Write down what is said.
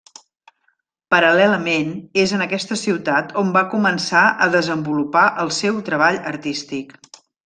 Paral·lelament, és en aquesta ciutat on va començar a desenvolupar el seu treball artístic.